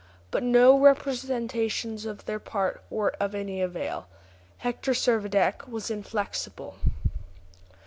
But no representations on their part were of any avail. Hector Servadac was inflexible.